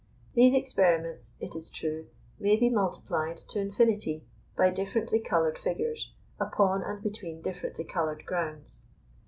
These experiments, it is true, may be multiplied to infinity by differently coloured figures, upon and between differently coloured grounds.